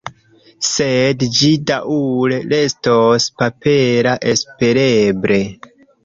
Sed ĝi daŭre restos papera, espereble.